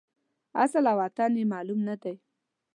اصل او وطن یې معلوم نه دی.